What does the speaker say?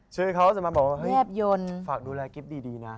ชื่อเขาจะมาบอกว่าเฮ้ยฝากดูแลกุบดีนะ